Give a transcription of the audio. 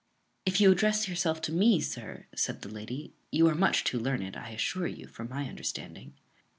"If you address yourself to me, sir," said the lady, "you are much too learned, I assure you, for my understanding."